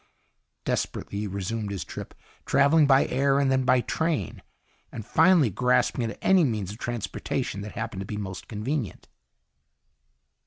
Desperately, he resumed his trip, traveling by air and then by train, and finally grasping at any means of transportation that happened to be most convenient.